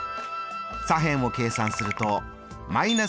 左辺を計算するとー２０。